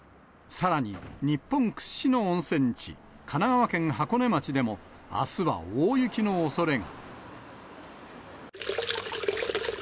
さらに日本屈指の温泉地、神奈川県箱根町でも、あすは大雪のおそれが。